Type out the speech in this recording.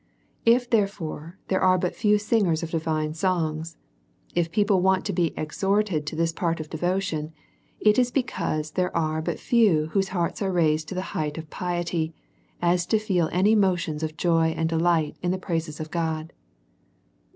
If there are but few singers of divine songs, if peo ple want to be exhorted to this part of devotion, it is because there are but few whose hearts are raised to that height of piety, as to feel any emotions of joy and delight in the praises of God.